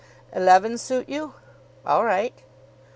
"Eleven suit you?" "All right."